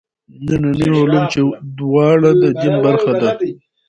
ننني علوم چې دواړه د دین برخه دي.